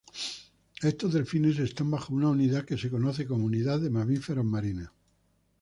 Estos delfines están bajo una Unidad que se conoce como "Unidad de Mamíferos Marinos".